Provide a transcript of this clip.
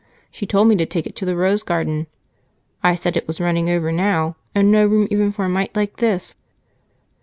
She told me to take it to the Rose Garden. I said it was running over now, and no room even for a mite like this.